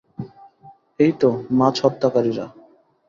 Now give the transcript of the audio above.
এইতো, মাছ হত্যাকারীরা!